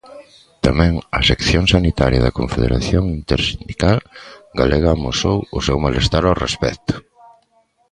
Tamén a sección sanitaria da Confederación Intersindical Galega amosou o seu malestar ao respecto.